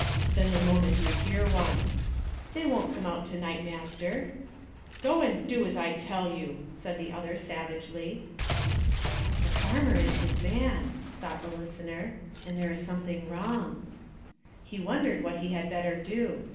"Then the moment you hear one." "They won't come to night, master." "Go and do as I tell you," said the other savagely. "It's the farmer and his man," thought the listener; "and there is something wrong." He wondered what he had better do.